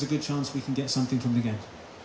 tapi itu bukan sesuatu yang harus kita menakutkan